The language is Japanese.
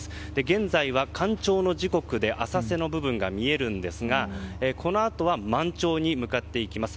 現在は干潮の時刻で浅瀬の部分が見えるんですがこのあとは満潮に向かっていきます。